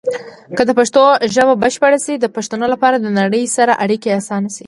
که پښتو ژبه بشپړه شي، د پښتنو لپاره د نړۍ سره اړیکې اسانه شي.